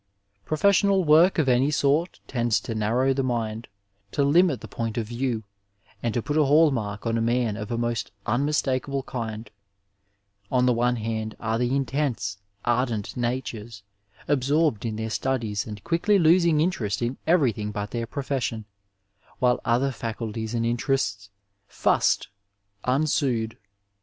Ill Professional worK of any sort tends to narrow the mmd, 882 Digitized by VjOOQIC THE MASTER WORD IN MEDICINE to limit the point of view and to put a hall mark onf'a man of a most unmistakable kind. On the one hand are the intense, ardent natures, absorbed in their studies and quickly losing interest in everything but their profession, while other faculties and interests " fust " unsued.